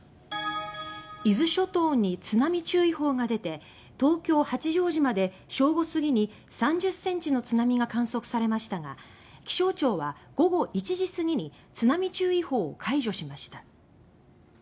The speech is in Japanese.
伊豆諸島に津波注意報が出て東京・八丈島で正午過ぎに３０ｃｍの津波が観測されましたが気象庁は午後１時過ぎに津波注意報を解除しました。